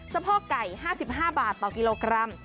พ่อไก่๕๕บาทต่อกิโลกรัม